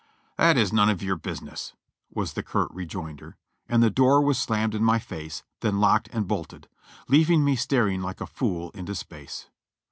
"That's none of your business !" was the curt rejoinder, and the door was slammed in my face, then locked and bolted; leav ing me staring like a fool into space.